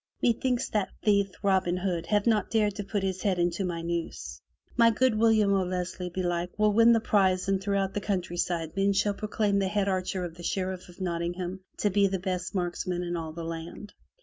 Methinks that thief, Robin Hood, hath not dared to put his head into my noose. My good William O'Leslie, belike, will win the prize and throughout the countryside men shall proclaim the head archer of the Sheriff of Nottingham to be the best marksman in all the land."